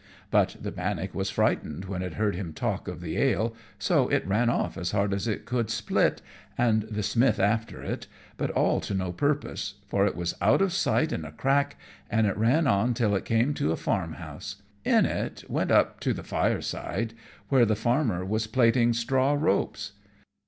But the bannock was frightened when it heard him talk of the ale, so it ran off as hard as it could split, and the smith after it, but all to no purpose; for it was out of sight in a crack, and it ran on till it came to a farm house. In it went up to the fire side, where the farmer was plaiting straw ropes.